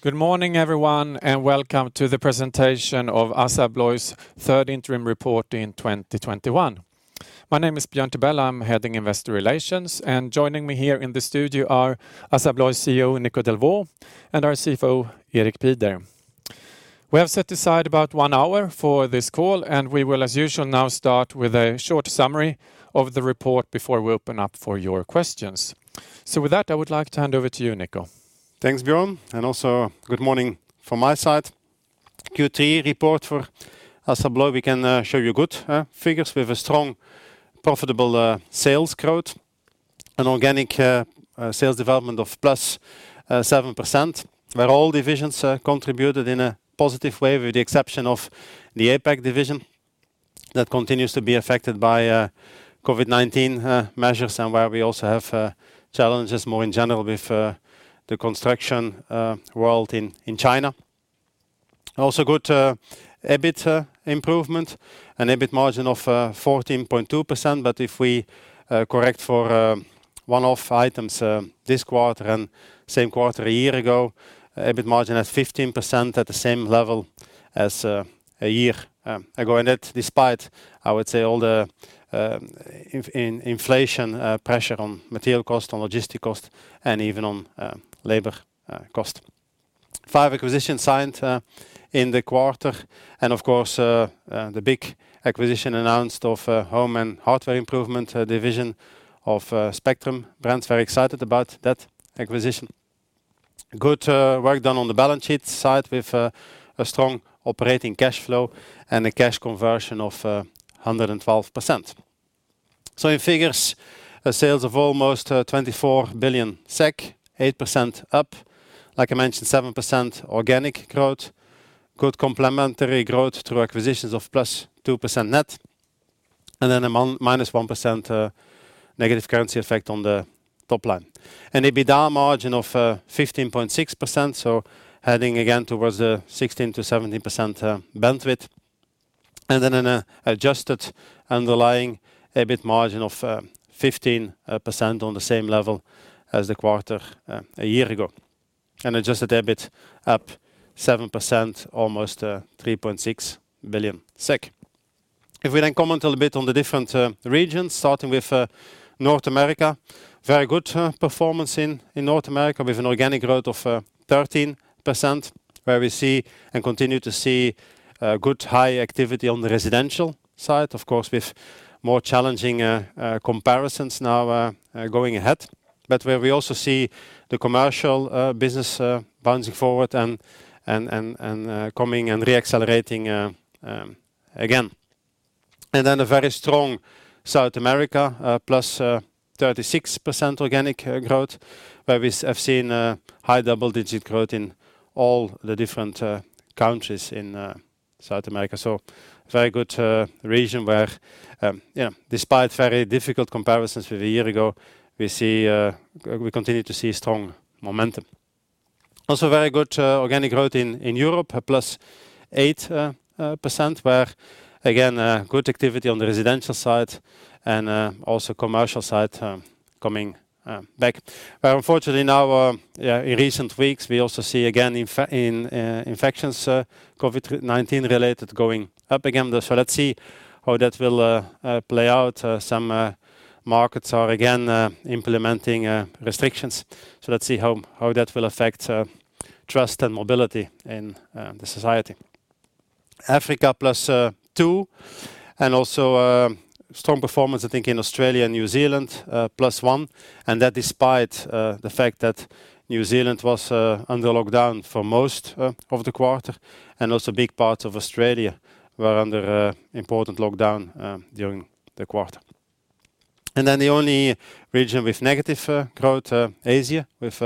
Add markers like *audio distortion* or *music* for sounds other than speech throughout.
Good morning, everyone, and welcome to the presentation of Assa Abloy's third interim report in 2021. My name is Björn Tibell. I'm heading Investor Relations, and joining me here in the studio are Assa Abloy CEO Nico Delvaux and our CFO, Erik Pieder. We have set aside about one hour for this call, and we will, as usual, now start with a short summary of the report before we open up for your questions. With that, I would like to hand over to you, Nico. Thanks, Björn. Also good morning from my side. Q3 report for Assa Abloy, we can show you good figures. We have a strong profitable sales growth, an organic sales development of +7%, where all divisions contributed in a positive way, with the exception of the APAC division that continues to be affected by COVID-19 measures and where we also have challenges more in general with the construction world in China. Also good EBIT improvement and EBIT margin of 14.2%. If we correct for one-off items this quarter and same quarter a year ago, EBIT margin at 15% at the same level as a year ago. That despite, I would say, all the inflation pressure on material cost, on logistic cost, and even on labor cost. five acquisitions signed in the quarter, and of course, the big acquisition announced of Hardware and Home Improvement division of Spectrum Brands. Very excited about that acquisition. Good work done on the balance sheet side with a strong operating cash flow and a cash conversion of 112%. In figures, sales of almost 24 billion SEK, 8% up. Like I mentioned, 7% organic growth. Good complementary growth through acquisitions of +2% net, and then -1% negative currency effect on the top line. An EBITDA margin of 15.6%, so heading again towards 16%-17% bandwidth. An adjusted underlying EBIT margin of 15% on the same level as the quarter a year ago. Adjusted EBIT up 7%, almost 3.6 billion SEK. If we then comment a little bit on the different regions, starting with North America. Very good performance in North America with an organic growth of 13%, where we see and continue to see good high activity on the residential side, of course, with more challenging comparisons now going ahead. Where we also see the commercial business bouncing forward and coming and re-accelerating again. A very strong South America +36% organic growth, where we have seen high double-digit growth in all the different countries in South America. Very good region where, you know, despite very difficult comparisons with a year ago, we continue to see strong momentum. Also very good organic growth in Europe at +8%, where again good activity on the residential side and also commercial side coming back. Unfortunately now in recent weeks, we also see again infections COVID-19 related going up again. Let's see how that will play out. Some markets are again implementing restrictions. Let's see how that will affect trust and mobility in the society. Africa +2%, and also strong performance I think in Australia and New Zealand +1%, and that despite the fact that New Zealand was under lockdown for most of the quarter and also big parts of Australia were under imposing lockdown during the quarter. The only region with negative growth Asia with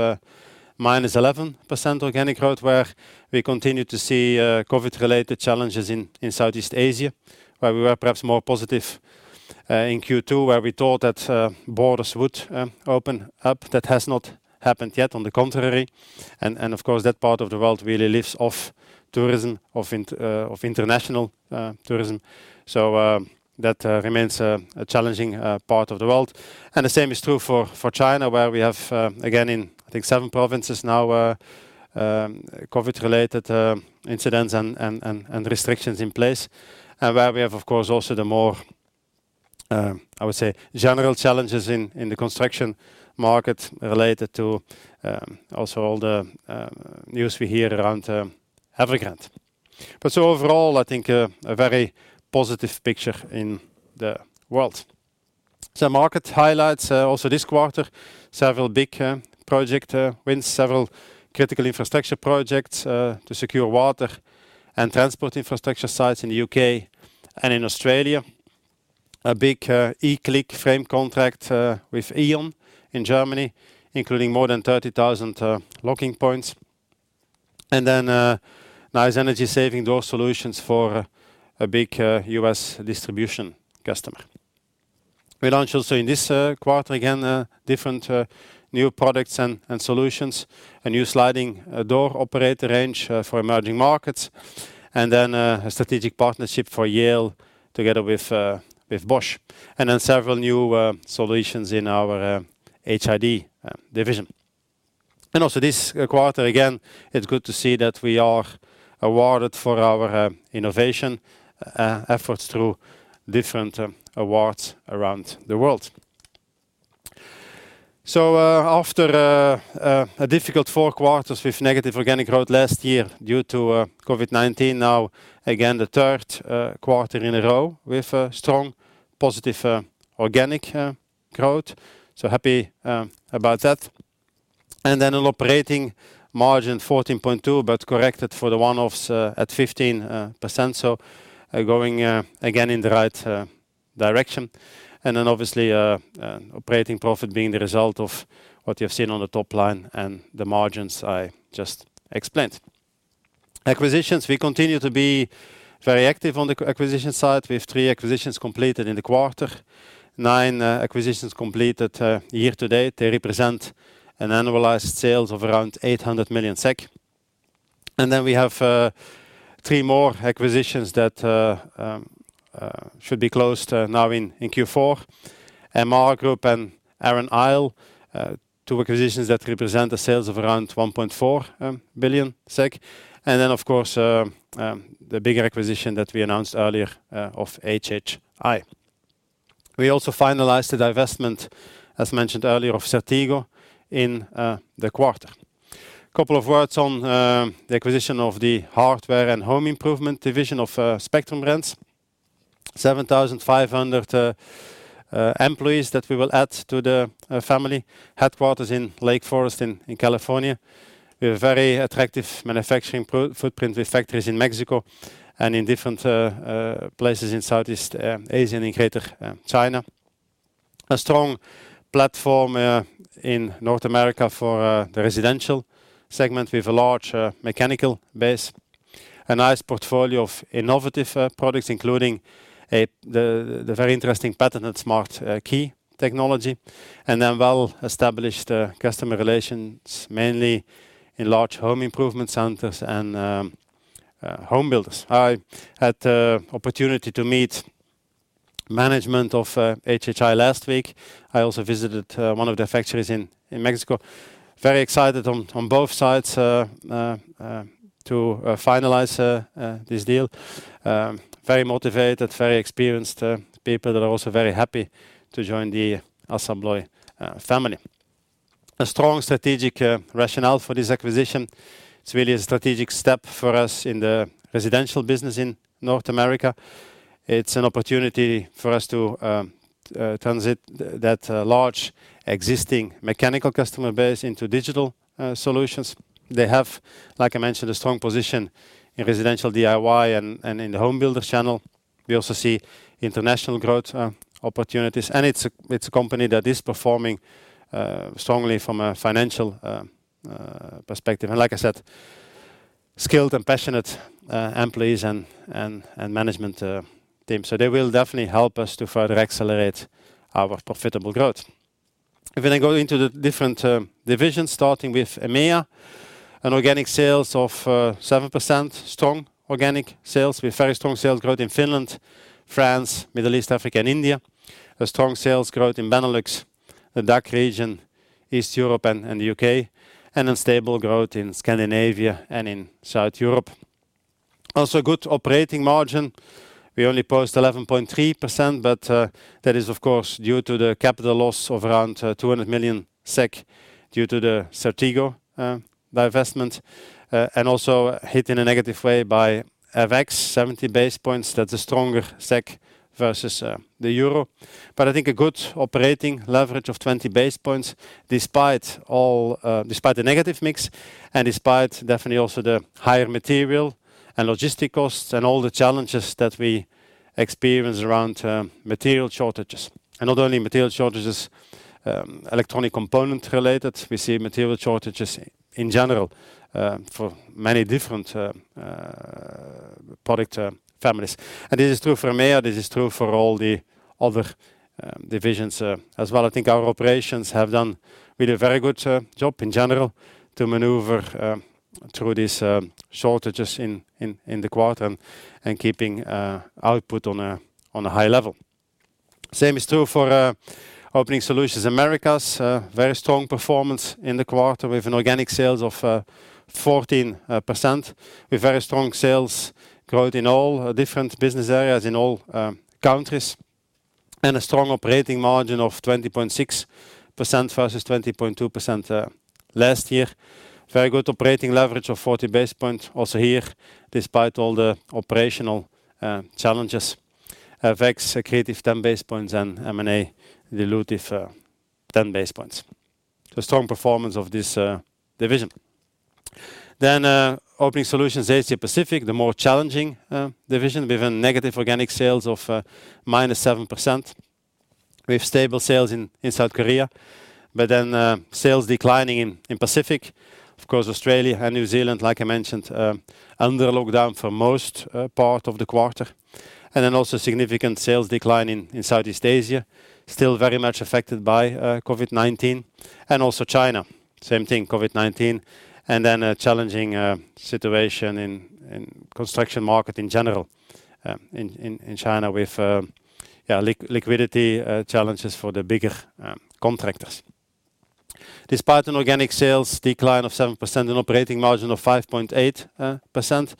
-11% organic growth, where we continue to see COVID-related challenges in Southeast Asia, where we were perhaps more positive in Q2 where we thought that borders would open up. That has not happened yet. On the contrary, and of course, that part of the world really lives off tourism, off international tourism. That remains a challenging part of the world. The same is true for China, where we have again in I think seven provinces now COVID-related incidents and restrictions in place, where we have of course also the more I would say general challenges in the construction market related to also all the news we hear around Evergrande. Overall, I think a very positive picture in the world. Market highlights also this quarter several big project wins, several critical infrastructure projects to secure water and transport infrastructure sites in the U.K. and in Australia. A big eCLIQ frame contract with E.ON in Germany, including more than 30,000 locking points. Nice energy-saving door solutions for a big U.S. distribution customer. We launched also in this quarter again different new products and solutions, a new sliding door operator range for emerging markets, and a strategic partnership for Yale together with Bosch, and several new solutions in our HID division. Also this quarter again, it's good to see that we are awarded for our innovation efforts through different awards around the world. After a difficult four quarters with negative organic growth last year due to COVID-19, now again the third quarter in a row with a strong positive organic growth. Happy about that. An operating margin 14.2%, but corrected for the one-offs, at 15%. Going again in the right direction. Obviously, operating profit being the result of what you've seen on the top line and the margins I just explained. Acquisitions, we continue to be very active on the acquisition side. We have three acquisitions completed in the quarter, nine acquisitions completed year to date. They represent annualized sales of around 800 million SEK. We have three more acquisitions that should be closed now in Q4. MR Group and Arran Isle, two acquisitions that represent sales of around 1.4 billion SEK. Of course, the bigger acquisition that we announced earlier, of HHI. We also finalized the divestment, as mentioned earlier, of CERTEGO in the quarter. Couple of words on the acquisition of the hardware and home improvement division of Spectrum Brands. 7,500 employees that we will add to the family headquarters in Lake Forest in California, with very attractive manufacturing footprint with factories in Mexico and in different places in Southeast Asia and in Greater China. A strong platform in North America for the residential segment with a large mechanical base. A nice portfolio of innovative products, including the very interesting patented SmartKey technology, and then well-established customer relations, mainly in large home improvement centers and home builders. I had opportunity to meet management of HHI last week. I also visited one of their factories in Mexico. Very excited on both sides to finalize this deal. Very motivated, very experienced people that are also very happy to join the Assa Abloy family. A strong strategic rationale for this acquisition. It's really a strategic step for us in the residential business in North America. It's an opportunity for us to transition that large existing mechanical customer base into digital solutions. They have, like I mentioned, a strong position in residential DIY and in the home builder channel. We also see international growth opportunities, and it's a company that is performing strongly from a financial perspective. Like I said, skilled and passionate employees and management team. They will definitely help us to further accelerate our profitable growth. If we then go into the different divisions, starting with EMEIA, organic sales growth of 7%, strong organic sales with very strong sales growth in Finland, France, Middle East, Africa, and India. Strong sales growth in Benelux, the DACH region, Eastern Europe, and the U.K., and stable growth in Scandinavia and in Southern Europe. Also good operating margin. We only post 11.3%, but that is of course due to the capital loss of around 200 million SEK due to the CERTEGO divestment and also hit in a negative way by FX, 70 basis points. That's a stronger SEK versus the euro. I think a good operating leverage of 20 basis points despite all, despite the negative mix and despite definitely also the higher material and logistic costs and all the challenges that we experience around material shortages. Not only material shortages, electronic component related, we see material shortages in general for many different product families. This is true for EMEIA. This is true for all the other divisions as well. I think our operations have done really very good job in general to maneuver through these shortages in the quarter and keeping output on a high level. Same is true for Opening Solutions Americas, very strong performance in the quarter with organic sales of 14%, with very strong sales growth in all different business areas in all countries, and a strong operating margin of 20.6% versus 20.2% last year. Very good operating leverage of 40 basis points also here, despite all the operational challenges. FX accretive 10 basis points and M&A dilutive 10 basis points. Strong performance of this division. Opening Solutions Asia Pacific, the more challenging division with negative organic sales of -7%. We have stable sales in South Korea, but sales declining in Pacific. Of course, Australia and New Zealand, like I mentioned, under lockdown for most part of the quarter. Significant sales decline in Southeast Asia, still very much affected by COVID-19. China, same thing, COVID-19. A challenging situation in construction market in general in China with liquidity challenges for the bigger contractors. Despite an organic sales decline of 7% and operating margin of 5.8%,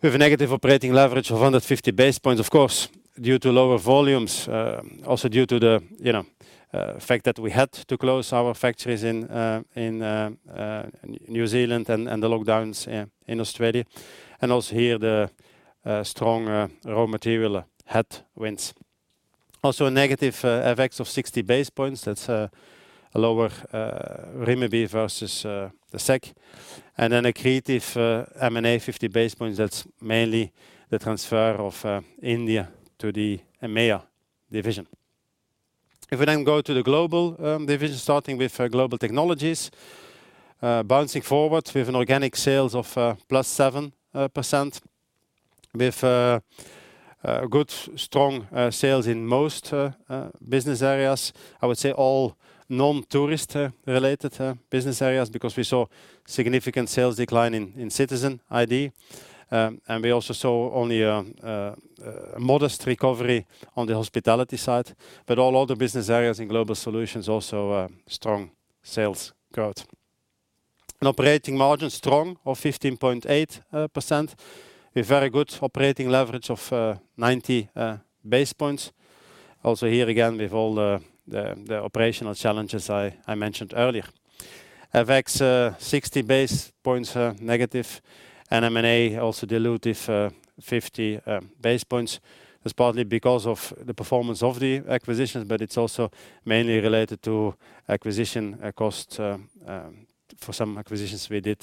we have a negative operating leverage of 150 basis points, of course, due to lower volumes, also due to the, you know, fact that we had to close our factories in New Zealand and the lockdowns in Australia, and also here the strong raw material headwinds. A negative effects of 60 basis points. That's a lower renminbi versus the SEK, and then accretive M&A of 50 basis points. That's mainly the transfer of India to the EMEA division. If we go to the Global division, starting with Global Technologies, bouncing forward with an organic sales of +7% with good strong sales in most business areas. I would say all non-tourist related business areas because we saw significant sales decline in Citizen ID, and we also saw only a modest recovery on the hospitality side, but all other business areas in Global Solutions also strong sales growth. An operating margin strong of 15.8% with very good operating leverage of 90 basis points. Here again with all the operational challenges I mentioned earlier. FX, 60 basis points negative, and M&A also dilutive, 50 basis points. That's partly because of the performance of the acquisitions, but it's also mainly related to acquisition cost for some acquisitions we did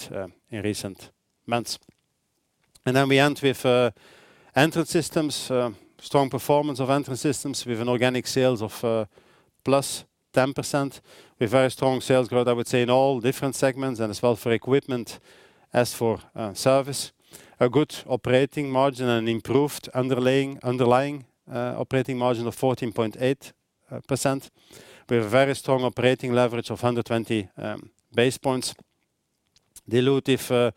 in recent months. We end with Entrance Systems strong performance of Entrance Systems with an organic sales of +10% with very strong sales growth I would say in all different segments and as well for equipment as for service. A good operating margin and improved underlying operating margin of 14.8% with very strong operating leverage of 120 basis points, dilutive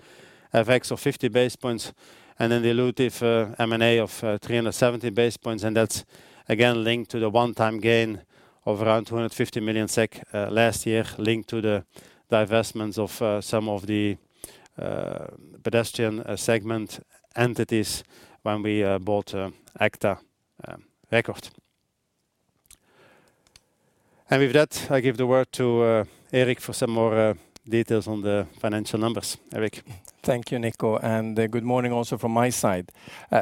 effects of 50 basis points and then dilutive M&A of 370 basis points, and that's again linked to the one-time gain of around 250 million SEK last year linked to the divestments of some of the pedestrian segment entities when we bought agta record. With that, I give the word to Erik Pieder for some more details on the financial numbers. Erik Pieder. Thank you, Nico, and good morning also from my side.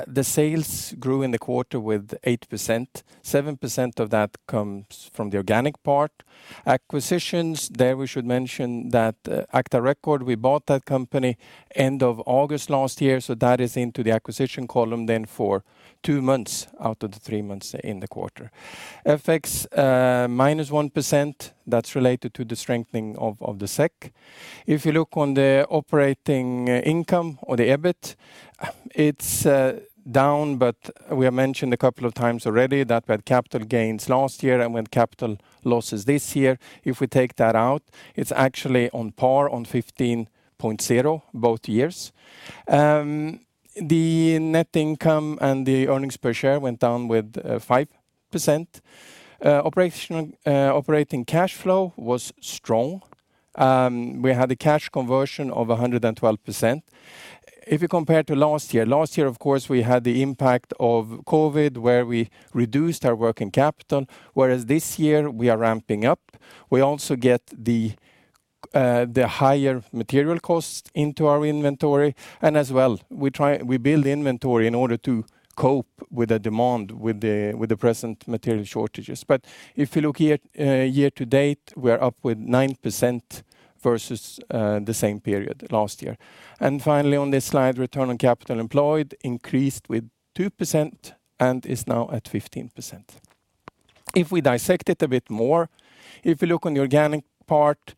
The sales grew in the quarter with 8%. 7% of that comes from the organic part. Acquisitions, there we should mention that, agta record, we bought that company end of August last year, so that is into the acquisition column then for two months out of the three months in the quarter. FX, -1%, that's related to the strengthening of the SEK. If you look on the operating income or the EBIT, it's down, but we have mentioned a couple of times already that we had capital gains last year and we had capital losses this year. If we take that out, it's actually on par on 15.0 both years. The net income and the earnings per share went down with 5%. Operating cash flow was strong. We had a cash conversion of 112%. If you compare to last year, last year of course we had the impact of COVID where we reduced our working capital, whereas this year we are ramping up. We also get the higher material costs into our inventory and as well we build inventory in order to cope with the demand with the present material shortages. But if you look at year to date, we are up 9% versus the same period last year. Finally on this slide, return on capital employed increased 2% and is now at 15%. If we dissect it a bit more, if you look on the organic part,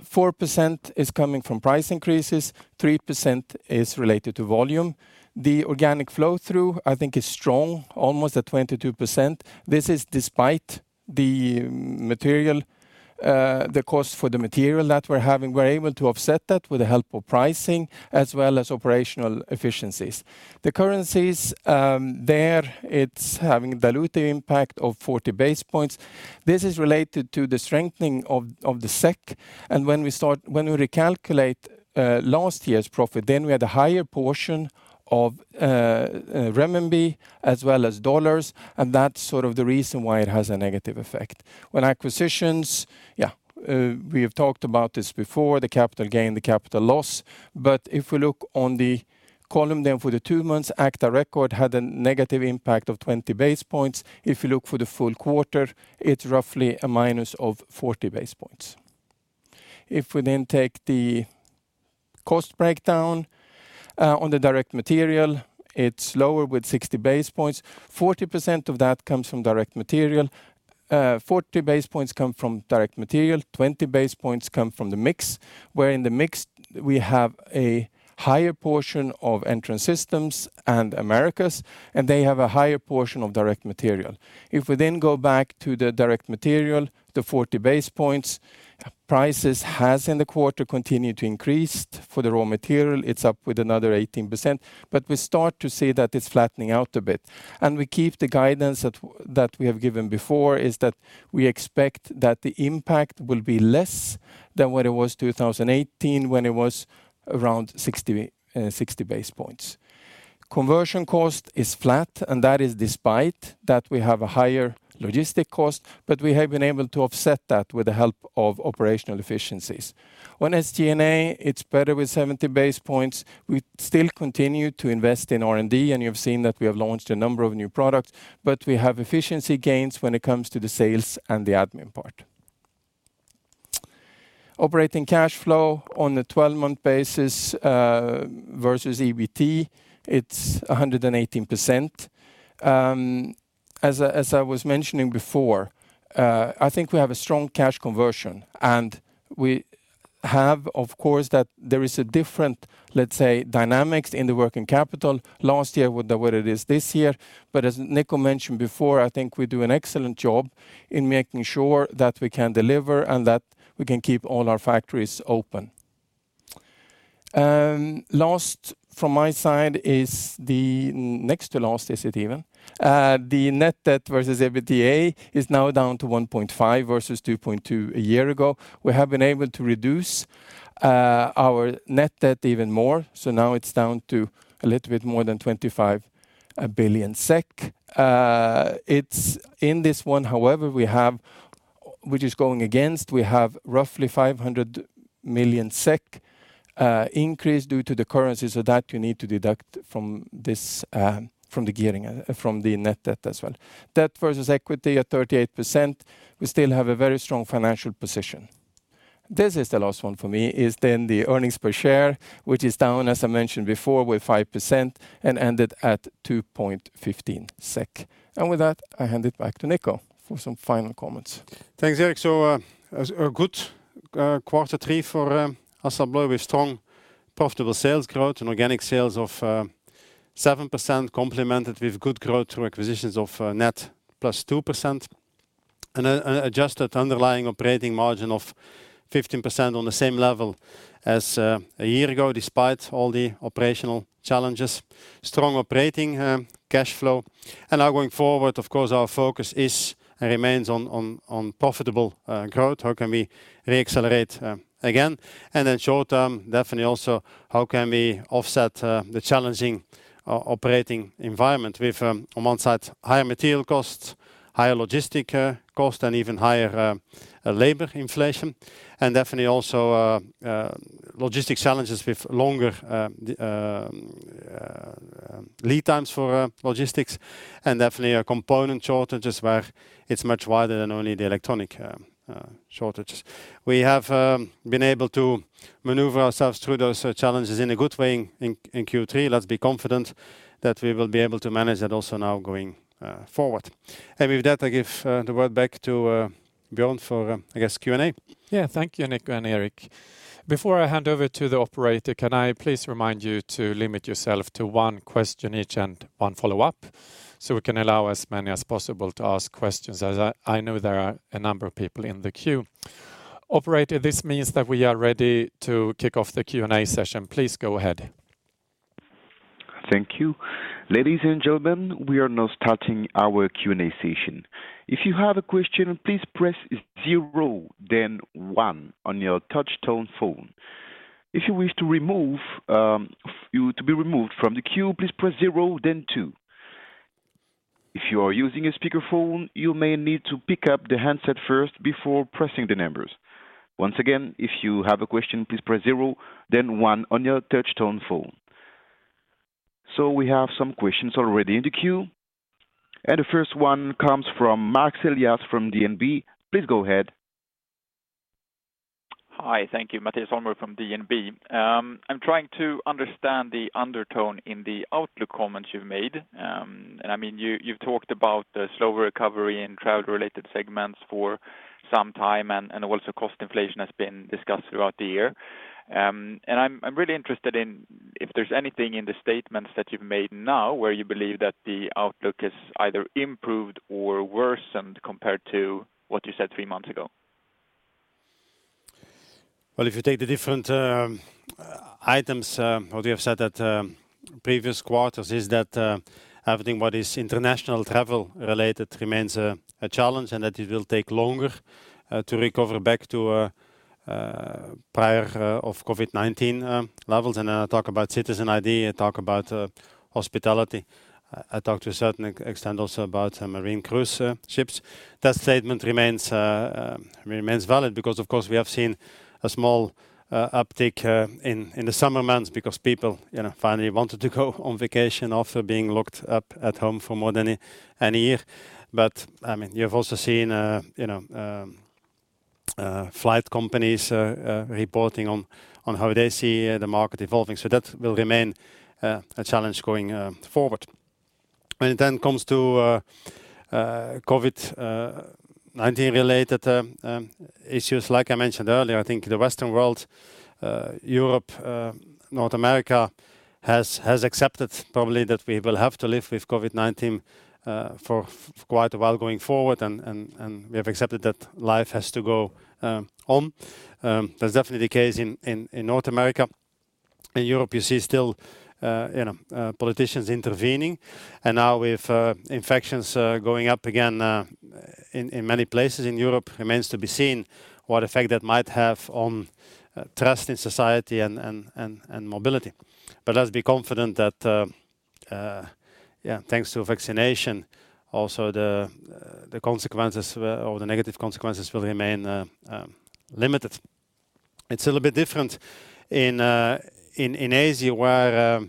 4% is coming from price increases, 3% is related to volume. The organic flow through I think is strong, almost at 22%. This is despite the material, the cost for the material that we're having. We're able to offset that with the help of pricing as well as operational efficiencies. The currencies, there it's having dilutive impact of 40 basis points. This is related to the strengthening of the SEK and when we recalculate last year's profit, then we had a higher portion of renminbi as well as dollars, and that's sort of the reason why it has a negative effect. When acquisitions, we have talked about this before, the capital gain, the capital loss. If we look on the column then for the two months, agta record had a negative impact of 20 basis points. If you look for the full quarter, it's roughly a minus of 40 basis points. If we then take the cost breakdown, on the direct material, it's lower with 60 basis points. 40% of that comes from direct material. 40 basis points come from direct material, 20 basis points come from the mix, where in the mix we have a higher portion of Entrance Systems and Americas, and they have a higher portion of direct material. If we then go back to the direct material, the 40 basis points. Prices have in the quarter continued to increase. For the raw material, it's up with another 18%, but we start to see that it's flattening out a bit. We keep the guidance that we have given before is that we expect that the impact will be less than what it was 2018 when it was around 60 basis points. Conversion cost is flat, and that is despite that we have a higher logistics cost, but we have been able to offset that with the help of operational efficiencies. On SG&A, it's better with 70 basis points. We still continue to invest in R&D, and you have seen that we have launched a number of new products, but we have efficiency gains when it comes to the sales and the admin part. Operating cash flow on a 12-month basis versus EBT, it's 118%. As I was mentioning before, I think we have a strong cash conversion, and we have of course that there is a different, let's say, dynamics in the working capital last year with the way it is this year. As Nico mentioned before, I think we do an excellent job in making sure that we can deliver and that we can keep all our factories open. Next to last from my side is the net debt versus EBITDA, which is now down to 1.5 versus 2.2 a year ago. We have been able to reduce our net debt even more, so now it's down to a little bit more than 25 billion SEK. It's in this one, however, we have roughly 500 million SEK increase due to the currency, so that you need to deduct from this from the gearing from the net debt as well. Debt versus equity at 38%, we still have a very strong financial position. This is the last one for me, then the earnings per share, which is down, as I mentioned before, with 5% and ended at 2.15 SEK. With that, I hand it back to Nico for some final comments. Thanks, Erik. A good Q3 for Assa Abloy with strong profitable sales growth and organic sales of 7% complemented with good growth through acquisitions of net +2%. An adjusted underlying operating margin of 15% on the same level as a year ago, despite all the operational challenges. Strong operating cash flow. Now going forward, of course, our focus is and remains on profitable growth. How can we re-accelerate again? Short term, definitely also how can we offset the challenging operating environment with, on one side, higher material costs, higher logistics costs, and even higher labor inflation. and definitely component shortages where it's much wider than only the electronic shortages. We have been able to maneuver ourselves through those challenges in a good way in Q3. Let's be confident that we will be able to manage that also now going forward. With that, I give the word back to Björn for, I guess, Q&A. Yeah. Thank you, Nico and Erik. Before I hand over to the operator, can I please remind you to limit yourself to one question each and one follow-up, so we can allow as many as possible to ask questions, as I know there are a number of people in the queue. Operator, this means that we are ready to kick off the Q&A session. Please go ahead. Thank you. Ladies and gentlemen, we are now starting our Q&A session. If you have a question, please press zero then one on your touch tone phone. If you wish to be removed from the queue, please press zero then two. If you are using a speakerphone, you may need to pick up the handset first before pressing the numbers. Once again, if you have a question, please press zero then one on your touch tone phone. We have some questions already in the queue. The first one comes from Mattias Holmberg from DNB. Please go ahead. Hi. Thank you. Mattias Holmberg from DNB. I'm trying to understand the undertone in the outlook comments you've made. I mean, you've talked about the slower recovery in travel-related segments for some time, and also cost inflation has been discussed throughout the year. I'm really interested in if there's anything in the statements that you've made now where you believe that the outlook has either improved or worsened compared to what you said three months ago. Well, if you take the different items, what we have said at previous quarters is that everything that is international travel related remains a challenge and that it will take longer to recover back to prior to COVID-19 levels. I talk about Citizen ID, I talk about hospitality. I talk to a certain extent also about marine cruise ships. That statement remains valid because of course, we have seen a small uptick in the summer months because people, you know, finally wanted to go on vacation after being locked up at home for more than a year. I mean, you have also seen, you know, flight companies reporting on how they see the market evolving. That will remain a challenge going forward. When it then comes to COVID-19-related issues, like I mentioned earlier, I think the Western world, Europe, North America has accepted probably that we will have to live with COVID-19 for quite a while going forward and we have accepted that life has to go on. That's definitely the case in North America. In Europe, you see still, you know, politicians intervening. Now with infections going up again in many places in Europe, remains to be seen what effect that might have on trust in society and mobility. Let's be confident that, thanks to vaccination, also the consequences or the negative consequences will remain limited. It's a little bit different in Asia, where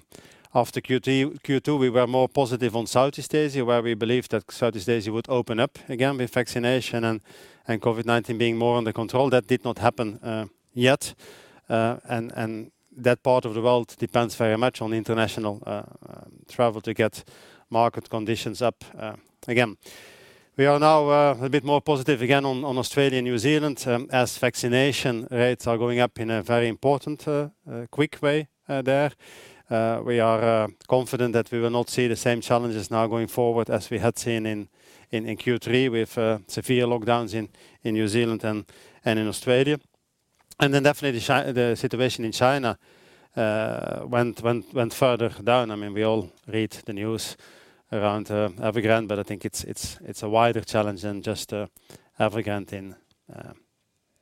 after Q2, we were more positive on Southeast Asia, where we believe that Southeast Asia would open up again with vaccination and COVID-19 being more under control. That did not happen yet. That part of the world depends very much on international travel to get market conditions up again. We are now a bit more positive again on Australia and New Zealand, as vaccination rates are going up in a very important quick way there. We are confident that we will not see the same challenges now going forward as we had seen in Q3 with severe lockdowns in New Zealand and in Australia. The situation in China definitely went further down. I mean, we all read the news around Evergrande, but I think it's a wider challenge than just Evergrande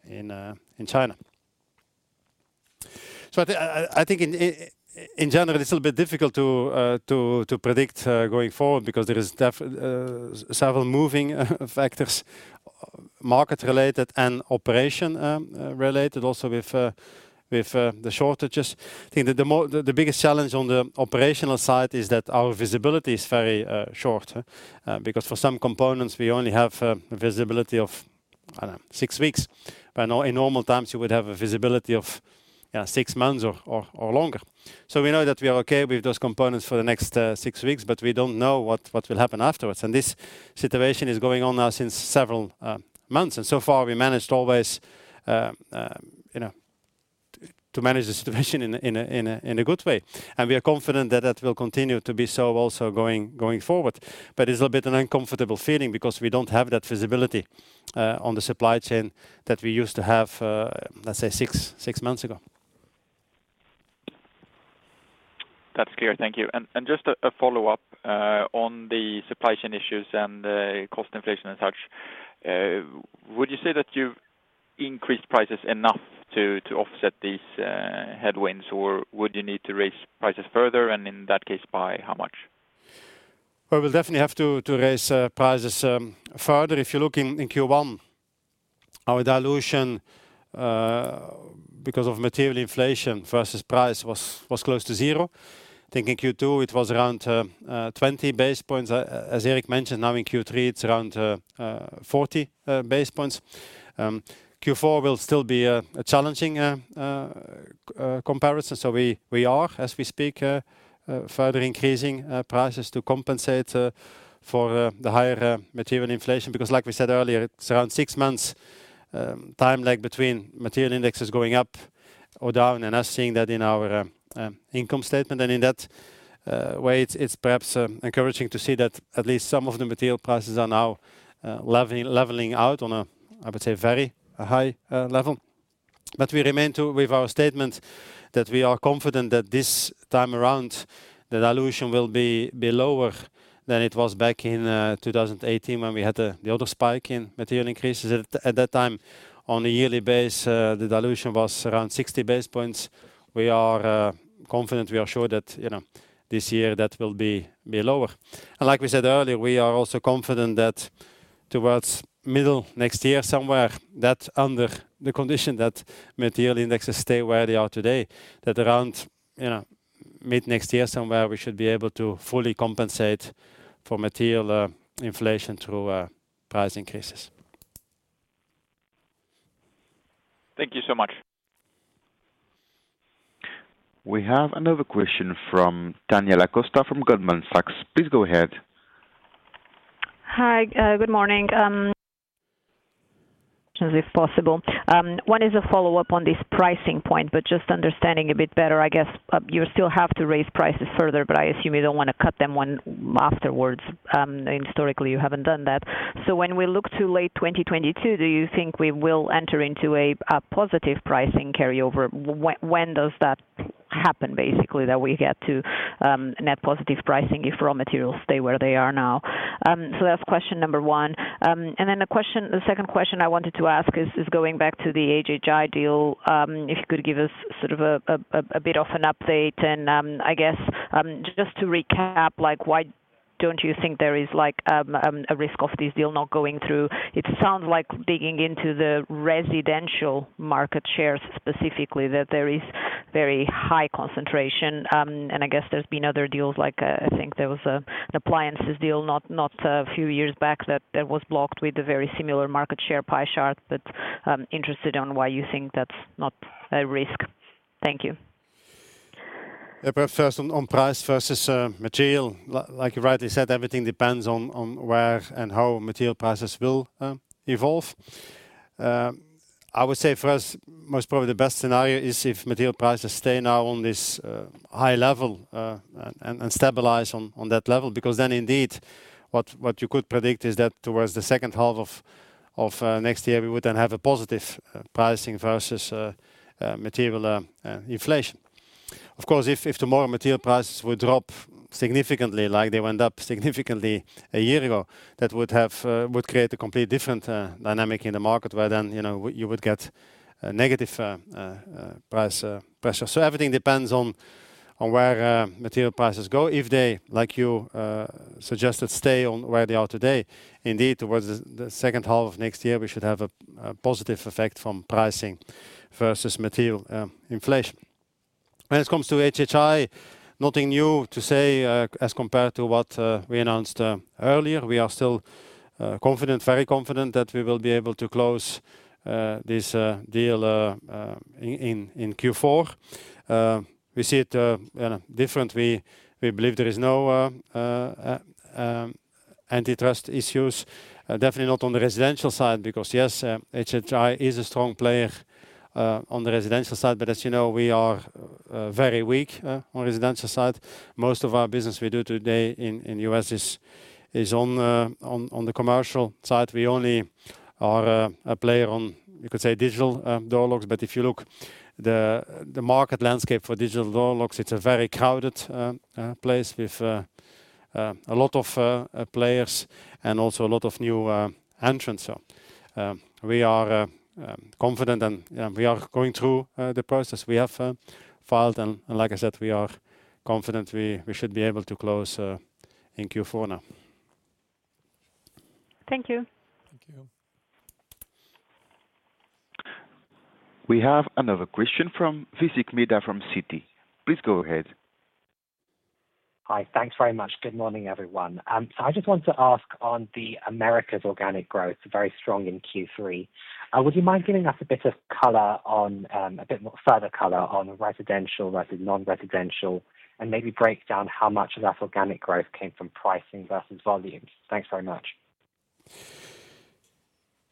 in China. I think in general it's a little bit difficult to predict going forward because there are several moving factors, market-related and operational-related also with the shortages. I think that the biggest challenge on the operational side is that our visibility is very short because for some components we only have visibility of, I don't know, six weeks. In normal times you would have visibility of six months or longer. We know that we are okay with those components for the next six weeks, but we don't know what will happen afterwards. This situation is going on now since several months, and so far we managed to always to manage the situation in a good way. We are confident that that will continue to be so also going forward. It's a bit an uncomfortable feeling because we don't have that visibility on the supply chain that we used to have, let's say six months ago. That's clear. Thank you. Just a follow-up on the supply chain issues and the cost inflation and such. Would you say that you've increased prices enough to offset these headwinds, or would you need to raise prices further? In that case, by how much? Well, we'll definitely have to raise prices further. If you look in Q1, our dilution because of material inflation versus price was close to zero. I think in Q2, it was around 20 basis points. As Erik mentioned, now in Q3, it's around 40 basis points. Q4 will still be a challenging comparison. We are, as we speak, further increasing prices to compensate for the higher material inflation. Because like we said earlier, it's around six months time lag between material indexes going up or down and us seeing that in our income statement. In that way, it's perhaps encouraging to see that at least some of the material prices are now leveling out on a, I would say, very high level. We remain with our statement that we are confident that this time around, the dilution will be lower than it was back in 2018 when we had the other spike in material increases. At that time, on a yearly base, the dilution was around 60 basis points. We are confident, we are sure that, you know, this year that will be lower. Like we said earlier, we are also confident that towards middle next year somewhere, that under the condition that material indexes stay where they are today, that around, you know, mid-next year somewhere, we should be able to fully compensate for material inflation through price increases. Thank you so much. We have another question from Daniela Costa from Goldman Sachs. Please go ahead. Hi. Good morning. If possible, one is a follow-up on this pricing point, but just understanding a bit better, I guess. You still have to raise prices further, but I assume you don't wanna cut them when afterwards. Historically, you haven't done that. When we look to late 2022, do you think we will enter into a positive pricing carryover? When does that happen, basically, that we get to net positive pricing if raw materials stay where they are now? That's question number one. The second question I wanted to ask is going back to the HHI deal. If you could give us sort of a bit of an update and, I guess, just to recap, like, why don't you think there is like a risk of this deal not going through? It sounds like digging into the residential market share specifically, that there is very high concentration. I guess there's been other deals like, I think there was an appliances deal not a few years back that was blocked with a very similar market share pie chart, but I'm interested in why you think that's not a risk. Thank you. Yeah. First on price versus material. Like you rightly said, everything depends on where and how material prices will evolve. I would say for us, most probably the best scenario is if material prices stay now on this high level and stabilize on that level, because then indeed, what you could predict is that towards the second half of next year, we would then have a positive pricing versus material inflation. Of course, if tomorrow material prices will drop significantly like they went up significantly a year ago, that would create a complete different dynamic in the market where then, you know, you would get a negative price pressure. Everything depends on where material prices go. If they, like you suggested, stay on where they are today, indeed, towards the second half of next year, we should have a positive effect from pricing versus material inflation. When it comes to HHI, nothing new to say as compared to what we announced earlier. We are still confident, very confident that we will be able to close this deal in Q4. We see it, you know, differently. We believe there is no antitrust issues definitely not on the residential side because yes, HHI is a strong player on the residential side, but as you know, we are very weak on residential side. Most of our business we do today in U.S. is on the commercial side. We only are a player in, you could say, digital door locks. If you look at the market landscape for digital door locks, it's a very crowded place with a lot of players and also a lot of new entrants. We are confident and we are going through the process. We have filed, and like I said, we are confident we should be able to close in Q4 now. Thank you. Thank you. We have another question from Vivek Midha from Citi. Please go ahead. Hi. Thanks very much. Good morning, everyone. I just want to ask on the Americas organic growth, very strong in Q3. Would you mind giving us a bit of color on a bit more further color on residential versus non-residential, and maybe break down how much of that organic growth came from pricing versus volumes? Thanks very much.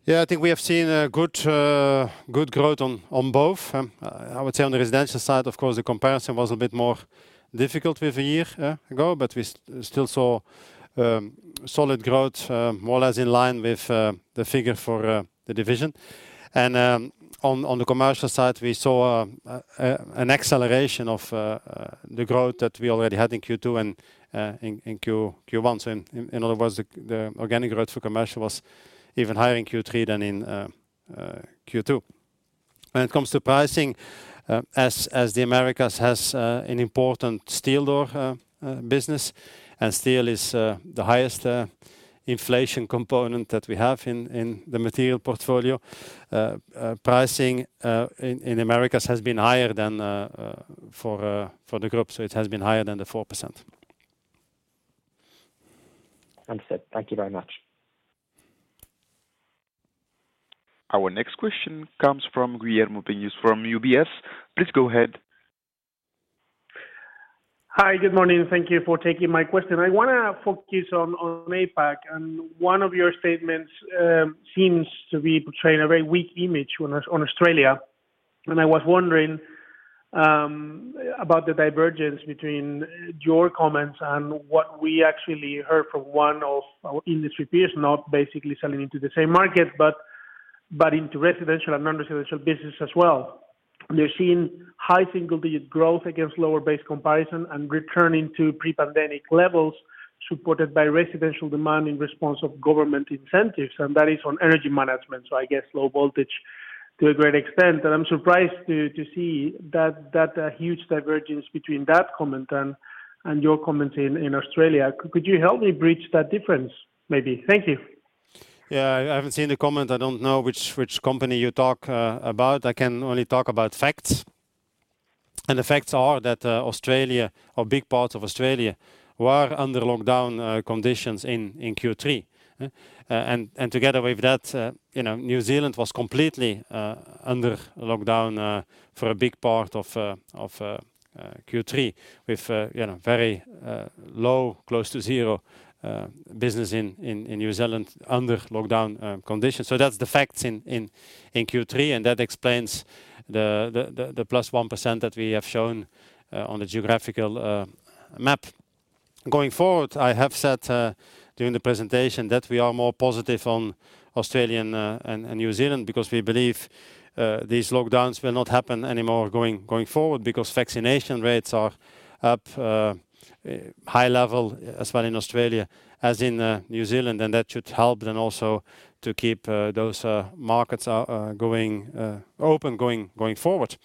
Yeah. I think we have seen a good growth on both. I would say on the residential side, of course, the comparison was a bit more difficult with a year ago, but we still saw solid growth, more or less in line with the figure for the division. On the commercial side, we saw an acceleration of the growth that we already had in Q2 and in Q1. In other words, the organic growth for commercial was even higher in Q3 than in Q2. When it comes to pricing, as the Americas has an important steel door business, and steel is the highest inflation component that we have in the material portfolio, pricing in Americas has been higher than for the group. It has been higher than 4%. Understood. Thank you very much. Our next question comes from Guillermo Peigneux-Lojo from UBS. Please go ahead. Hi. Good morning. Thank you for taking my question. I wanna focus on APAC. One of your statements seems to be portraying a very weak image on Australia. I was wondering about the divergence between your comments and what we actually heard from one of our industry peers not basically selling into the same market, but into residential and non-residential business as well. They're seeing high single-digit growth against lower base comparison and returning to pre-pandemic levels supported by residential demand in response of government incentives, and that is on energy management. I guess low voltage to a great extent. I'm surprised to see that huge divergence between that comment and your comments in Australia. Could you help me bridge that difference, maybe? Thank you. Yeah. I haven't seen the comment. I don't know which company you talk about. I can only talk about facts. The facts are that Australia or big parts of Australia were under lockdown conditions in Q3, and together with that, you know, New Zealand was completely under lockdown for a big part of Q3 with you know very low, close to zero business in New Zealand under lockdown conditions. That's the facts in Q3, and that explains the +1% that we have shown on the geographical map. Going forward, I have said during the presentation that we are more positive on Australia and New Zealand because we believe these lockdowns will not happen anymore going forward because vaccination rates are up high level as well in Australia as in New Zealand. That should help then also to keep those markets open going forward.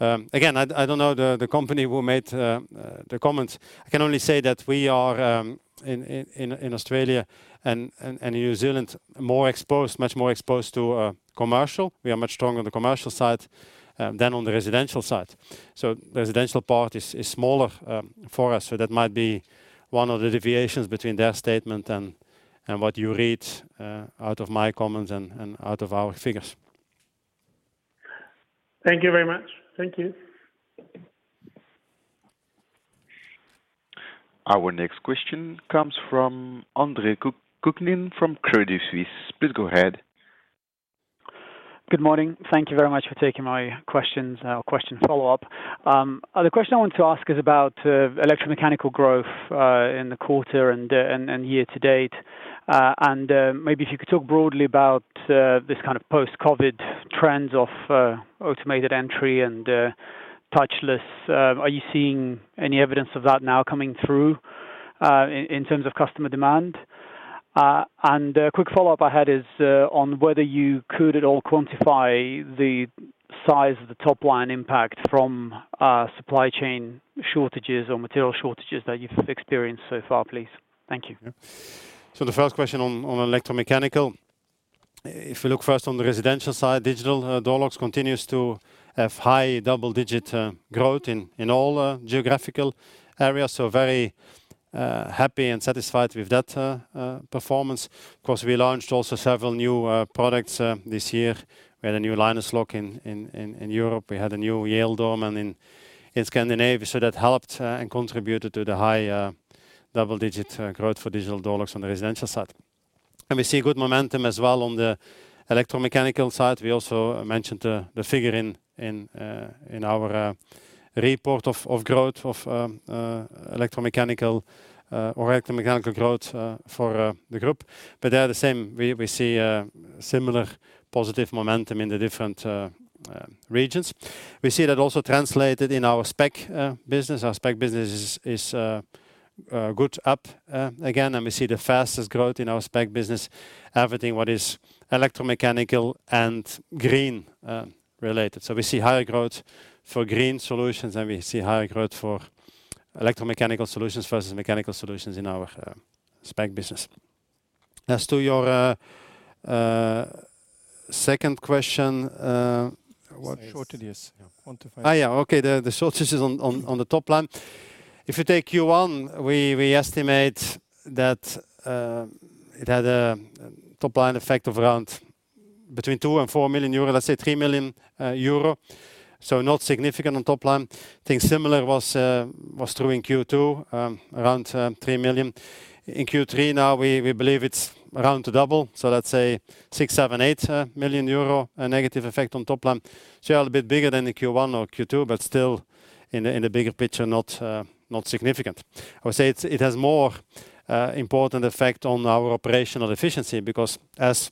Again, I don't know the company who made the comments. I can only say that we are in Australia and New Zealand more exposed, much more exposed to commercial. We are much stronger on the commercial side than on the residential side. Residential part is smaller for us. That might be one of the deviations between their statement and what you read out of my comments and out of our figures. Thank you very much. Thank you. Our next question comes from Andre Kukhnin from Credit Suisse. Please go ahead. Good morning. Thank you very much for taking my questions, question follow-up. The question I want to ask is about electromechanical growth in the quarter and year to date. Maybe if you could talk broadly about this kind of post-COVID trends of automated entry and Touchless, are you seeing any evidence of that now coming through, in terms of customer demand? A quick follow-up I had is on whether you could at all quantify the size of the top line impact from supply chain shortages or material shortages that you've experienced so far, please. Thank you. The first question on electromechanical. If you look first on the residential side, digital door locks continues to have high double-digit growth in all geographical areas. Very happy and satisfied with that performance. Of course, we launched also several new products this year. We had a new Linus lock in Europe. We had a new Yale Doorman in Scandinavia. That helped and contributed to the high double-digit growth for digital door locks on the residential side. We see good momentum as well on the electromechanical side. We also mentioned the figure in our report of growth of electromechanical growth for the group. They are the same. We see similar positive momentum in the different regions. We see that also translated in our spec business. Our spec business is good up again, and we see the fastest growth in our spec business, everything what is electromechanical and green related. We see higher growth for green solutions, and we see higher growth for electromechanical solutions versus mechanical solutions in our spec business. As to your second question, what- Shortages. Yeah. Quantify. Oh, yeah. Okay. The shortages on the top line. If you take Q1, we estimate that it had a top line effect of around between 2 million and 4 million euro, let's say 3 million euro. So not significant on top line. I think similar was true in Q2, around 3 million. In Q3 now, we believe it's around double, so let's say 6-8 million euro, a negative effect on top line. Still a bit bigger than the Q1 or Q2, but still in the bigger picture, not significant. I would say it has more important effect on our operational efficiency because as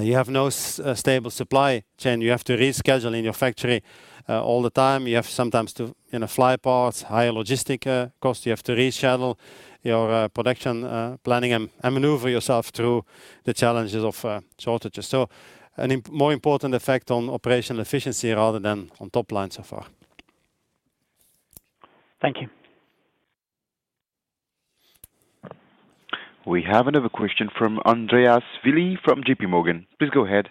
you have no stable supply chain, you have to reschedule in your factory all the time. You have sometimes to, you know, fly parts, higher logistics cost. You have to reschedule your production planning and maneuver yourself through the challenges of shortages. More important effect on operational efficiency rather than on top line so far. Thank you. We have another question from Andreas Willi from JPMorgan. Please go ahead.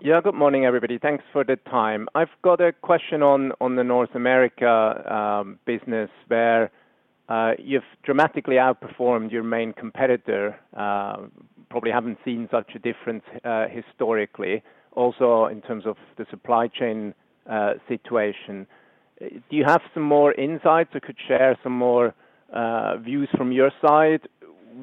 Yeah, good morning, everybody. Thanks for the time. I've got a question on the North America business where you've dramatically outperformed your main competitor, probably haven't seen such a difference historically, also in terms of the supply chain situation. Do you have some more insights or could share some more views from your side,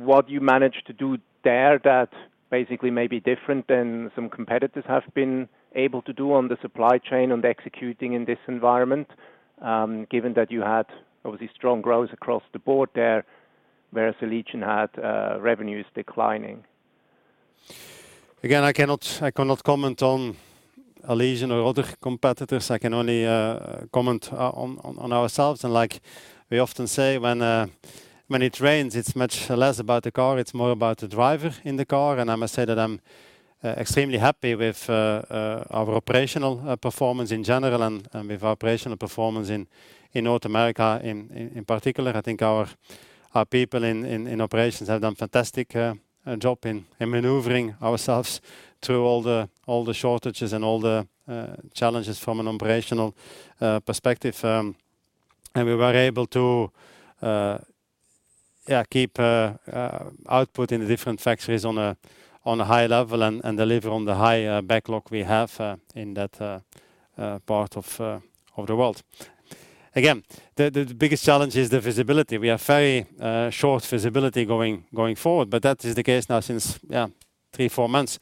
what you managed to do there that basically may be different than some competitors have been able to do on the supply chain on the execution in this environment, given that you had obviously strong growth across the board there, whereas Allegion had revenues declining? Again, I cannot comment on Allegion or other competitors. I can only comment on ourselves. Like we often say, when it rains, it's much less about the car, it's more about the driver in the car. I must say that I'm extremely happy with our operational performance in general and with operational performance in North America in particular. I think our people in operations have done a fantastic job in maneuvering ourselves through all the shortages and all the challenges from an operational perspective. We were able to keep output in the different factories on a high level and deliver on the high backlog we have in that part of the world. Again, the biggest challenge is the visibility. We have very short visibility going forward, but that is the case now since three, four months.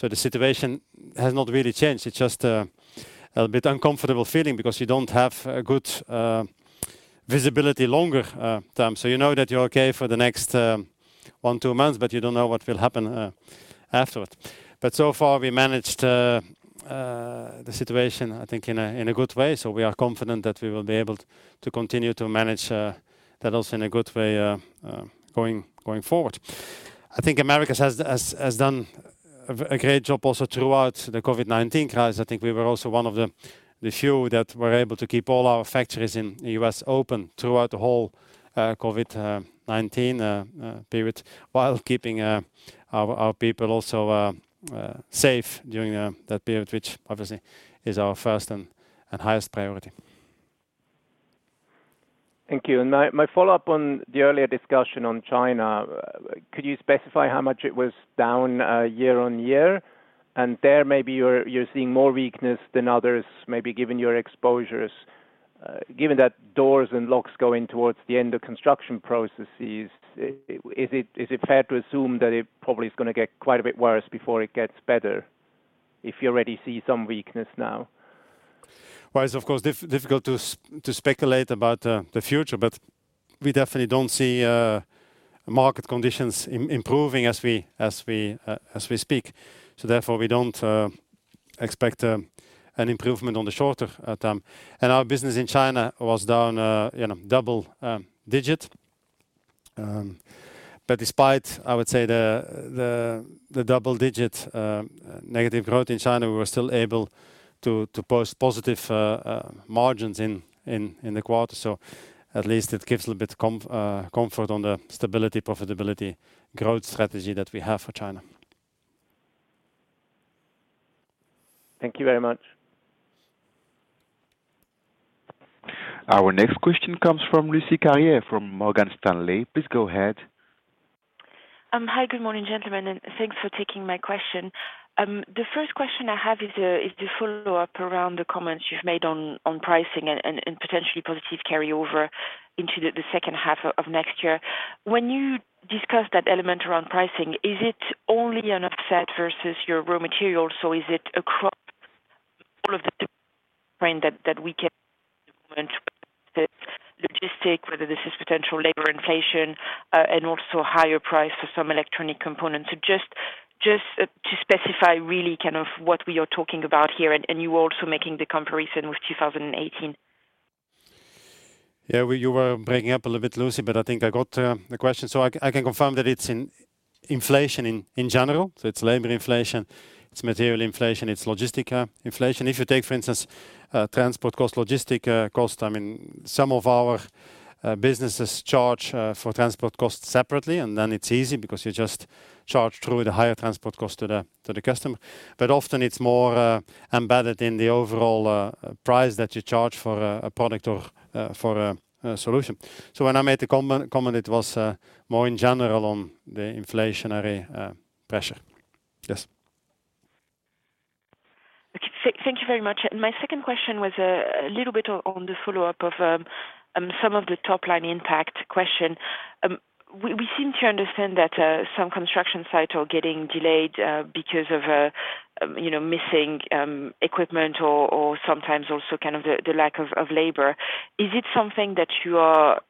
The situation has not really changed. It's just a bit uncomfortable feeling because you don't have a good visibility longer term. You know that you're okay for the next one, two months, but you don't know what will happen afterward. So far, we managed the situation, I think in a good way. We are confident that we will be able to continue to manage that also in a good way going forward. I think Americas has done a great job also throughout the COVID-19 crisis. I think we were also one of the few that were able to keep all our factories in the U.S. open throughout the whole COVID-19 period while keeping our people also safe during that period, which obviously is our first and highest priority. Thank you. My follow-up on the earlier discussion on China, could you specify how much it was down year on year? There, maybe you're seeing more weakness than others, maybe given your exposures. Given that doors and locks going towards the end of construction processes, is it fair to assume that it probably is gonna get quite a bit worse before it gets better if you already see some weakness now? Well, it's of course difficult to speculate about the future, but we definitely don't see market conditions improving as we speak. Therefore, we don't expect an improvement on the short term. Our business in China was down, you know, double digit. But despite, I would say, the double digit negative growth in China, we were still able to post positive margins in the quarter. At least it gives a little bit of comfort on the stability, profitability growth strategy that we have for China. Thank you very much. Our next question comes from Lucie Carrier from Morgan Stanley. Please go ahead. Hi. Good morning, gentlemen, and thanks for taking my question. The first question I have is the follow-up around the comments you've made on pricing and potentially positive carryover into the second half of next year. When you discussed that element around pricing, is it only an offset versus your raw materials, or is it across all of the different that we can. *audio distortion* Logistics, whether this is potential labor inflation and also higher price for some electronic components? So just to specify really kind of what we are talking about here, and you're also making the comparison with 2018. Yeah. Well, you were breaking up a little bit, Lucie, but I think I got the question. I can confirm that it's inflation in general. It's labor inflation, it's material inflation, it's logistical inflation. If you take, for instance, transport cost, logistics cost, I mean, some of our businesses charge for transport costs separately, and then it's easy because you just charge through the higher transport cost to the customer. But often it's more embedded in the overall price that you charge for a product or for a solution. When I made the comment, it was more in general on the inflationary pressure. Yes. Okay. Thank you very much. My second question was a little bit on the follow-up of some of the top line impact question. We seem to understand that some construction sites are getting delayed because of you know missing equipment or sometimes also kind of the lack of labor. Is it something that you are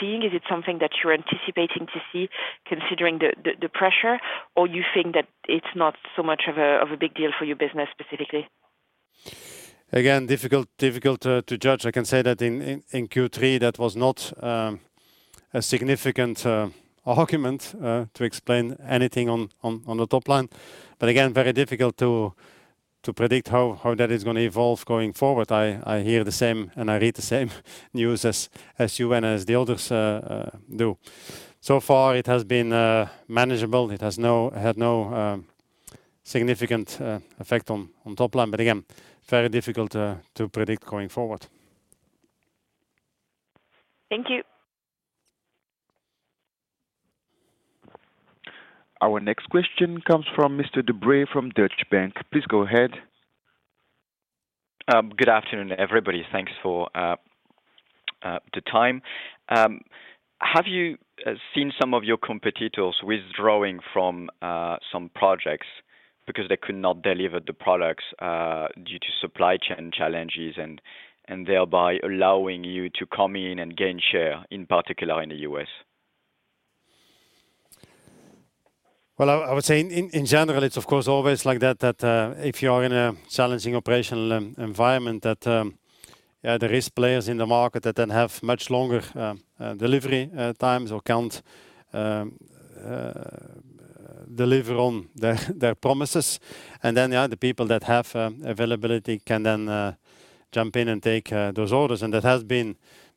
seeing? Is it something that you're anticipating to see considering the pressure, or you think that it's not so much of a big deal for your business specifically? Again, difficult to judge. I can say that in Q3 that was not a significant argument to explain anything on the top line. Again, very difficult to predict how that is gonna evolve going forward. I hear the same and I read the same news as you and as the others do. So far it has been manageable. It had no significant effect on top line. Again, very difficult to predict going forward. Thank you. Our next question comes from Gaël De Bray from Deutsche Bank. Please go ahead. Good afternoon, everybody. Thanks for the time. Have you seen some of your competitors withdrawing from some projects because they could not deliver the products due to supply chain challenges and thereby allowing you to come in and gain share, in particular in the U.S.? Well, I would say in general it's of course always like that that if you are in a challenging operational environment that there is players in the market that then have much longer delivery times or can't deliver on their promises. The people that have availability can jump in and take those orders. That has been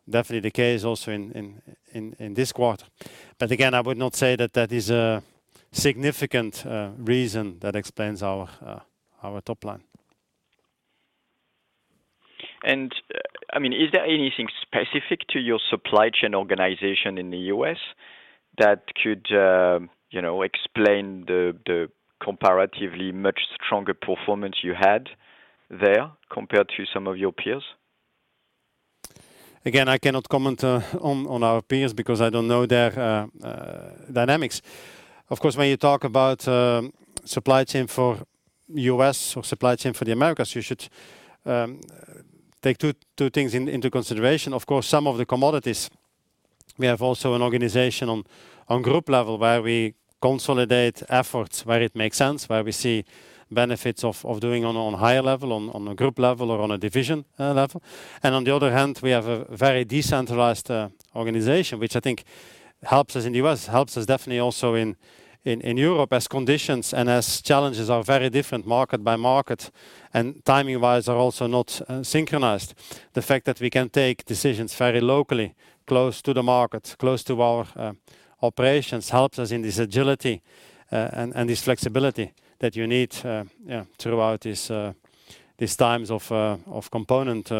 definitely the case also in this quarter. Again, I would not say that that is a significant reason that explains our top line. I mean, is there anything specific to your supply chain organization in the U.S. that could, you know, explain the comparatively much stronger performance you had there compared to some of your peers? Again, I cannot comment on our peers because I don't know their dynamics. Of course, when you talk about supply chain for U.S. or supply chain for the Americas, you should take two things into consideration. Of course, some of the commodities, we have also an organization on group level where we consolidate efforts where it makes sense, where we see benefits of doing on higher level, on a group level or on a division level. On the other hand, we have a very decentralized organization, which I think helps us in the U.S., helps us definitely also in Europe as conditions and as challenges are very different market by market, and timing wise are also not synchronized. The fact that we can take decisions very locally, close to the market, close to our operations, helps us in this agility, and this flexibility that you need, throughout these times of component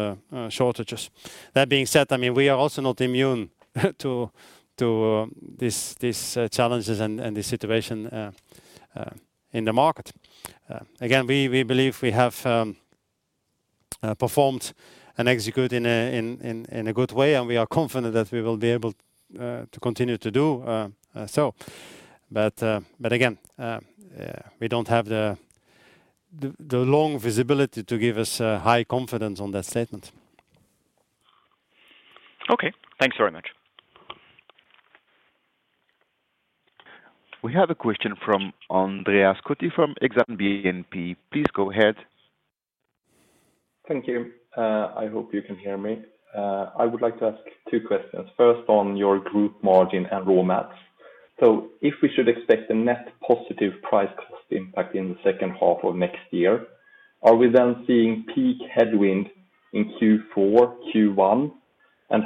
shortages. That being said, I mean, we are also not immune to these challenges and the situation in the market. Again, we believe we have performed and execute in a good way, and we are confident that we will be able to continue to do so. Again, we don't have the long visibility to give us high confidence on that statement. Okay. Thanks very much. We have a question from Andreas Koski from Exane BNP. Please go ahead. Thank you. I hope you can hear me. I would like to ask two questions. First, on your group margin and raw mats. If we should expect a net positive price cost impact in the second half of next year, are we then seeing peak headwind in Q4, Q1?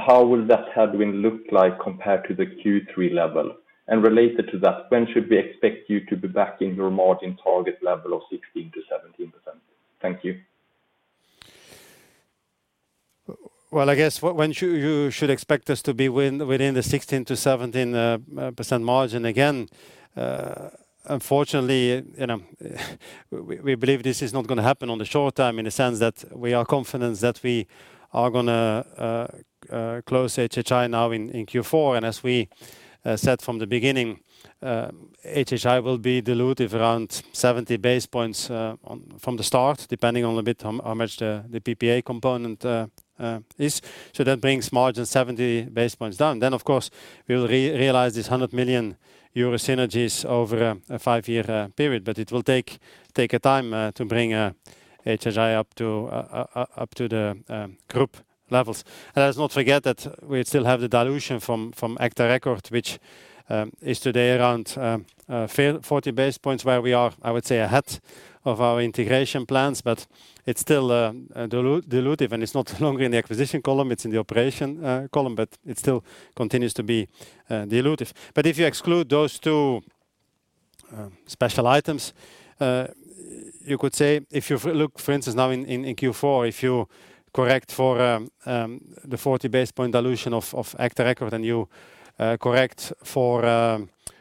How will that headwind look like compared to the Q3 level? Related to that, when should we expect you to be back in your margin target level of 16%-17%? Thank you. Well, I guess when should you should expect us to be within the 16%-17% margin again. Unfortunately, you know, we believe this is not gonna happen on the short term in the sense that we are confident that we are gonna close HHI now in Q4. As we said from the beginning, HHI will be dilutive around 70 basis points from the start, depending on a bit on how much the PPA component is. That brings margin 70 basis points down. Of course, we will realize this 100 million euro synergies over a five-year period. It will take time to bring HHI up to the group levels. Let's not forget that we still have the dilution from agta record, which is today around 40 basis points where we are, I would say, ahead of our integration plans. It's still dilutive, and it's no longer in the acquisition column, it's in the operation column. It still continues to be dilutive. If you exclude those two special items, you could say if you look for instance now in Q4, if you correct for the 40 basis point dilution of agta record and you correct for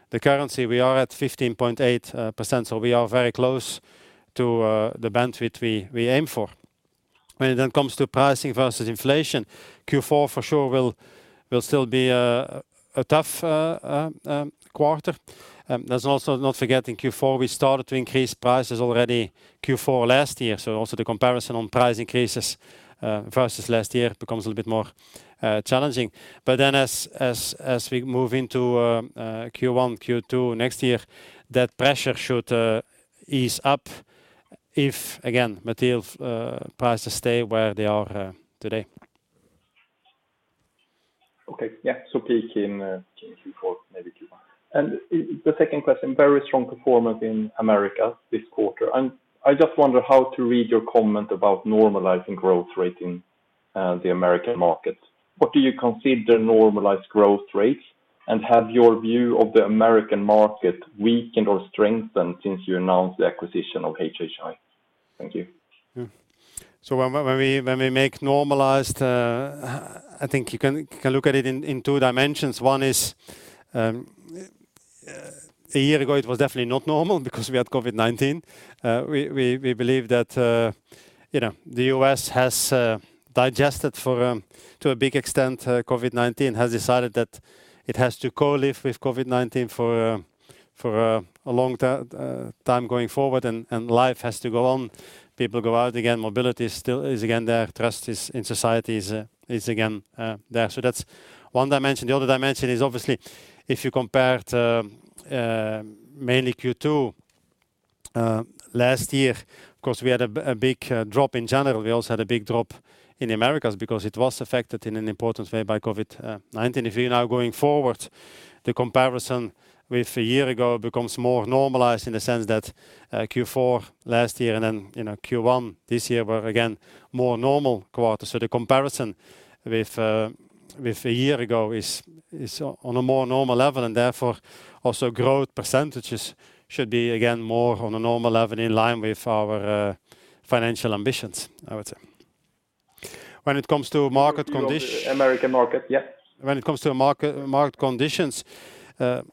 the currency, we are at 15.8%. We are very close to the band which we aim for. When it then comes to pricing versus inflation, Q4 for sure will still be a tough quarter. Let's also not forget in Q4 we started to increase prices already Q4 last year. Also the comparison on price increases versus last year becomes a little bit more challenging. As we move into Q1, Q2 next year, that pressure should ease up if again materials prices stay where they are today. Okay. Yeah. Peak in Q4, maybe Q1. The second question, very strong performance in America this quarter. I just wonder how to read your comment about normalizing growth rate in the American market. What do you consider normalized growth rates? Have your view of the American market weakened or strengthened since you announced the acquisition of HHI? Thank you. When we make normalized, I think you can look at it in two dimensions. One is, a year ago it was definitely not normal because we had COVID-19. We believe that, you know, the U.S. has digested to a big extent COVID-19, has decided that it has to co-live with COVID-19 for a long time going forward. Life has to go on. People go out again, mobility is again there. Trust in society is again there. That's one dimension. The other dimension is obviously, if you compared mainly Q2 last year, of course, we had a big drop in general. We also had a big drop in the Americas because it was affected in an important way by COVID-19. If you're now going forward, the comparison with a year ago becomes more normalized in the sense that Q4 last year and then, you know, Q1 this year were again more normal quarters. The comparison with a year ago is on a more normal level and therefore also growth percentages should be again more on a normal level in line with our financial ambitions, I would say. When it comes to market conditions. Your view of the American market, yeah. When it comes to market conditions,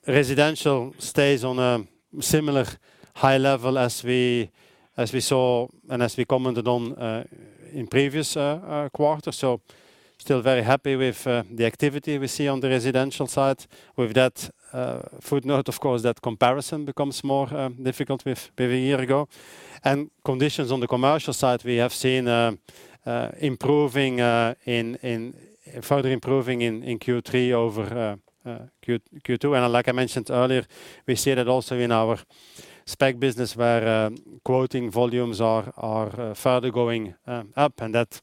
residential stays on a similar high level as we saw and as we commented on in previous quarters. Still very happy with the activity we see on the residential side. With that footnote, of course, that comparison becomes more difficult with maybe a year ago. Conditions on the commercial side, we have seen improving in further improving in Q3 over Q2. Like I mentioned earlier, we see that also in our spec business where quoting volumes are further going up. That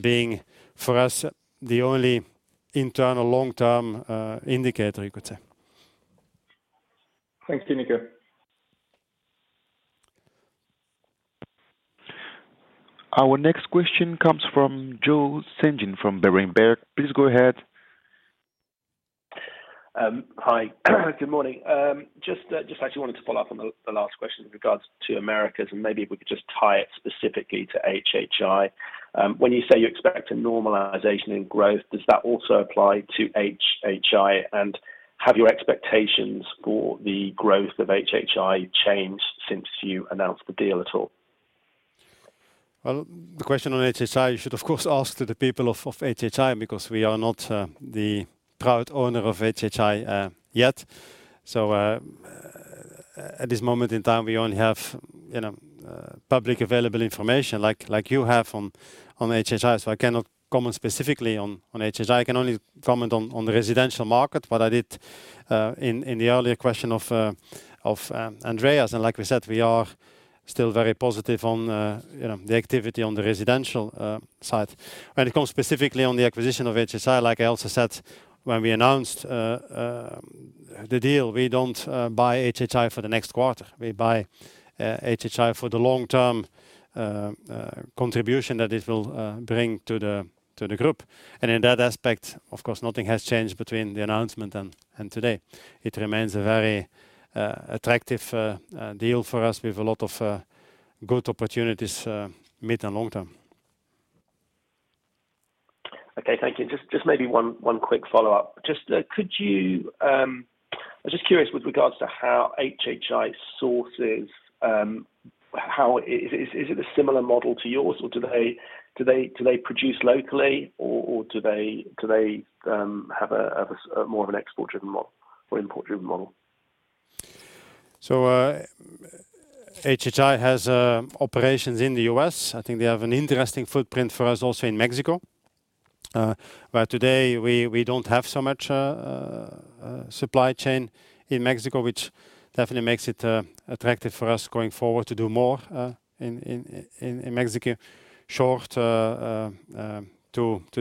being for us, the only internal long-term indicator you could say. Thanks, Nico. Our next question comes from Joel Spungin from Berenberg. Please go ahead. Hi. Good morning. Just actually wanted to follow up on the last question with regards to Americas, and maybe if we could just tie it specifically to HHI. When you say you expect a normalization in growth, does that also apply to HHI? And have your expectations for the growth of HHI changed since you announced the deal at all? Well, the question on HHI, you should, of course, ask to the people of HHI, because we are not the proud owner of HHI yet. At this moment in time, we only have, you know, publicly available information like you have on HHI. I cannot comment specifically on HHI. I can only comment on the residential market. What I did in the earlier question of Andreas, and like we said, we are still very positive on the, you know, the activity on the residential side. When it comes specifically to the acquisition of HHI, like I also said when we announced the deal, we don't buy HHI for the next quarter. We buy HHI for the long-term contribution that it will bring to the group. In that aspect, of course, nothing has changed between the announcement and today. It remains a very attractive deal for us with a lot of good opportunities mid and long term. Okay, thank you. Just maybe one quick follow-up. Just, could you? I'm just curious with regards to how HHI sources, how. Is it a similar model to yours or do they produce locally or do they have a more of an export-driven model or import-driven model? HHI has operations in the U.S. I think they have an interesting footprint for us also in Mexico. Today we don't have so much supply chain in Mexico, which definitely makes it attractive for us going forward to do more in Mexico short to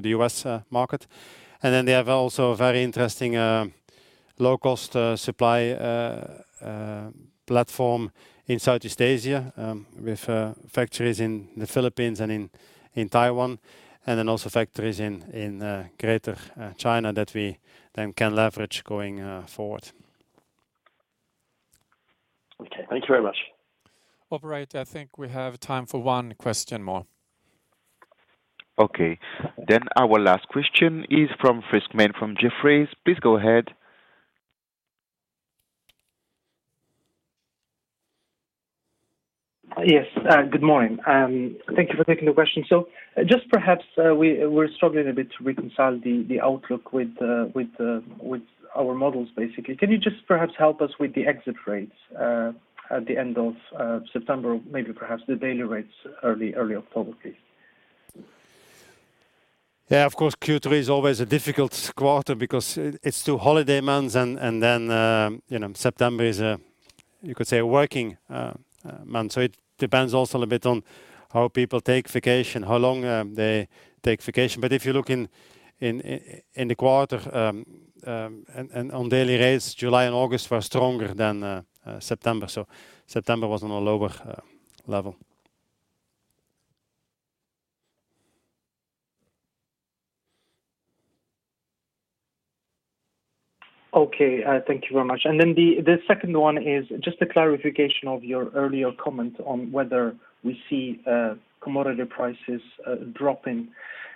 the U.S. market. They have also a very interesting low cost supply platform in Southeast Asia with factories in the Philippines and in Taiwan, and then also factories in greater China that we then can leverage going forward. Okay. Thank you very much. Operator, I think we have time for one question more. Okay. Our last question is from Rizk Maidi from Jefferies. Please go ahead. Yes, good morning. Thank you for taking the question. Just perhaps, we're struggling a bit to reconcile the outlook with our models basically. Can you just perhaps help us with the exit rates at the end of September, maybe perhaps the daily rates early October, please? Yeah, of course, Q3 is always a difficult quarter because it's two holiday months and then you know, September is a, you could say, a working month. It depends also a bit on how people take vacation, how long they take vacation. If you look in the quarter and on daily rates, July and August were stronger than September. September was on a lower level. Okay. Thank you very much. Then the second one is just a clarification of your earlier comment on whether we see commodity prices dropping.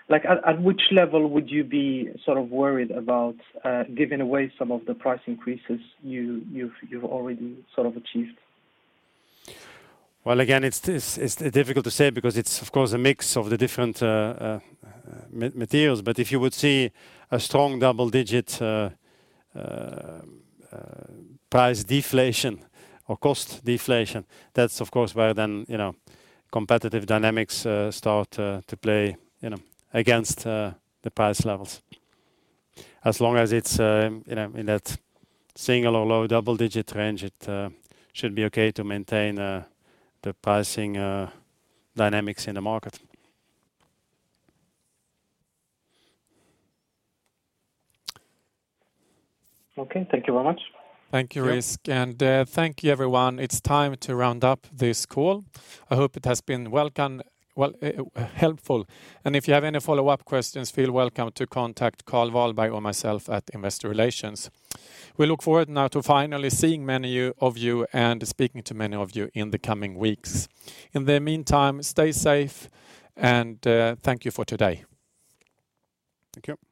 Like at which level would you be sort of worried about giving away some of the price increases you've already sort of achieved? Well, again, it's difficult to say because it's of course a mix of the different materials, but if you would see a strong double-digit price deflation or cost deflation, that's of course where then, you know, competitive dynamics start to play, you know, against the price levels. As long as it's, you know, in that single or low double-digit range, it should be okay to maintain the pricing dynamics in the market. Okay. Thank you very much. Thank you, Rizk. Thank you everyone. It's time to round up this call. I hope it has been helpful. If you have any follow-up questions, feel welcome to contact Carl Walby or myself at Investor Relations. We look forward now to finally seeing many of you and speaking to many of you in the coming weeks. In the meantime, stay safe, and thank you for today. Thank you.